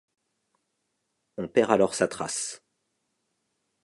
On perd alors sa trace.